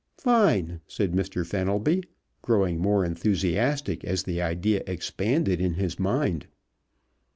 "Fine!" said Mr. Fenelby, growing more enthusiastic as the idea expanded in his mind.